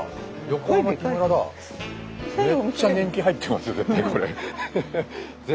めっちゃ年季入ってますよ絶対これ。